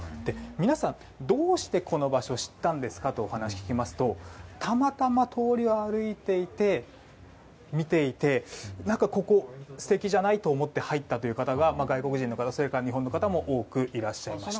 皆さん、どうしてこの場所を知ったんですかと聞きますとたまたま通りを歩いていて見ていて何か、ここ素敵じゃない？と思って入ったという外国人の方、日本の方も多くいらっしゃいました。